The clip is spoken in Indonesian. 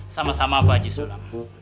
sama sama pak haji solam